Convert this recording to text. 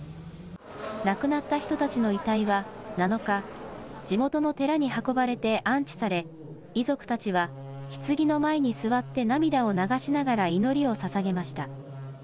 亡くなった人たちの遺体は７日、地元の寺に運ばれて安置され、遺族たちは、ひつぎの前に座って涙を流しながら祈りをささげました。